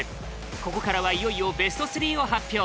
ここからはいよいよベスト３を発表